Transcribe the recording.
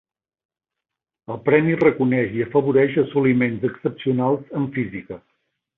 El premi reconeix i afavoreix assoliments excepcionals en física.